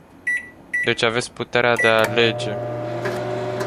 Deci aveți puterea de a alege.